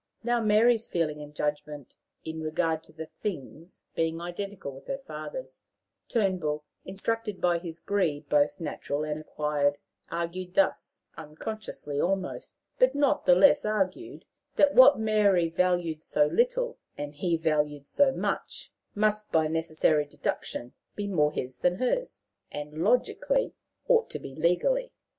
Now, Mary's feeling and judgment in regard to things being identical with her father's, Turnbull, instructed by his greed, both natural and acquired, argued thus unconsciously almost, but not the less argued that what Mary valued so little, and he valued so much, must, by necessary deduction, be more his than hers and logically ought to be legally.